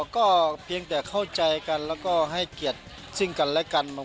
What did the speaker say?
ก็เพียงแต่เข้าใจกันแล้วก็ให้เกียรติซึ่งกันและกัน